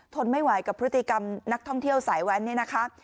ทนไม่ไหวกับพฤติกรรมนักท่องเที่ยวสายแว้นเนี่ยนะคะ